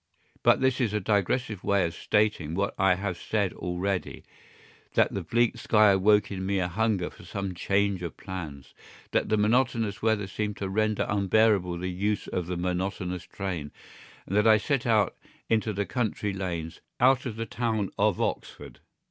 But this is a digressive way of stating what I have said already—that the bleak sky awoke in me a hunger for some change of plans, that the monotonous weather seemed to render unbearable the use of the monotonous train, and that I set out into the country lanes, out of the town of Oxford.